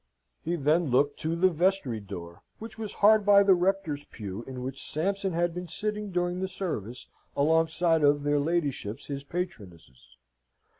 He then looked to the vestry door, which was hard by the rector's pew, in which Sampson had been sitting during the service, alongside of their ladyships his patronesses.